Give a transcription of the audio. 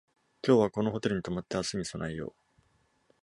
今日はこのホテルに泊まって明日に備えよう